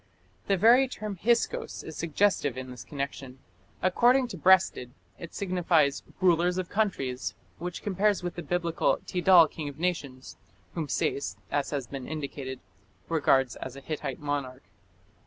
The very term Hyksos is suggestive in this connection. According to Breasted it signifies "rulers of countries", which compares with the Biblical "Tidal king of nations", whom Sayce, as has been indicated, regards as a Hittite monarch.